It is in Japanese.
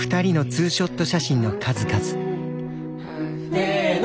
せの！